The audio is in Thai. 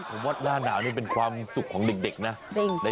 ผมว่าหน้าหนาวนี่เป็นความสุขของเด็กนะ